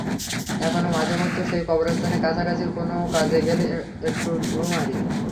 এখনো মাঝে মধ্যে সেই কবরস্থানের কাছাকাছি কোনো কাজে গেলে একটু ঢুঁ মারি।